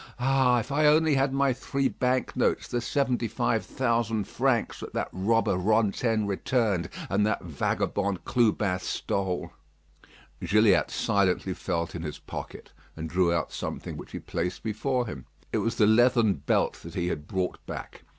Ah! if I only had my three bank notes, the seventy five thousand francs that that robber Rantaine returned, and that vagabond Clubin stole." Gilliatt silently felt in his pocket, and drew out something which he placed before him. It was the leathern belt that he had brought back.